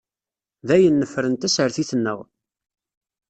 Dayen nefren tasertit-nneɣ.